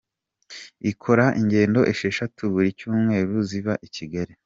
Ikora ingendo esheshatu buri cyumweru ziva i Kigali.